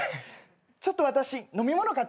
ちょっと私飲み物買ってきます。